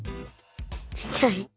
ちっちゃい。